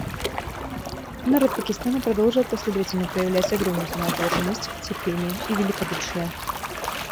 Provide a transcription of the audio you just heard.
Народ Пакистана продолжает последовательно проявлять огромную самоотверженность, терпение и великодушие.